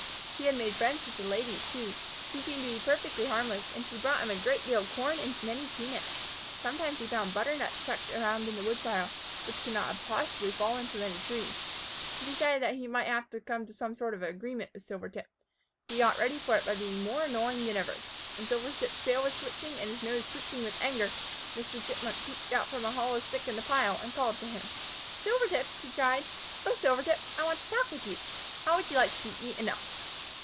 He made friends with the Lady, too. She seemed to be perfectly harmless, and she brought him a great deal of corn and many peanuts. Sometimes he found butternuts tucked around in the woodpile, which could not possibly have fallen from any tree. He decided that he might come to some sort of agreement with Silvertip. He got ready for it by being more annoying than ever. When Silvertip's tail was switching and his nose twitching with anger, Mr. Chipmunk peeped out from a hollow stick in the pile and called to him. [Illustration: MR. CHIPMUNK ON THE WOODPILE. Page 142] "Silvertip!" cried he, "O Silvertip! I want to talk with you. How would you like to be eaten up?"